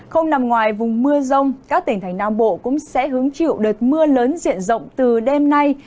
không nằm ngoài vùng mưa rông các tỉnh thành nam bộ cũng sẽ hứng chịu đợt mưa lớn diện rộng từ đêm nay